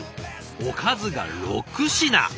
おかずが６品。